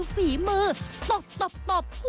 สวัสดีครับทุกคน